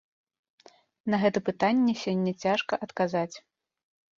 На гэта пытанне сёння цяжка адказаць.